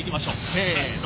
せの。